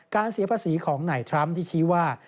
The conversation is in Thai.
เสียภาษีของนายทรัมป์ที่ชี้ว่า